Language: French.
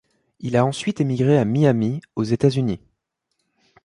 Il a ensuite émigré à Miami, aux États-Unis.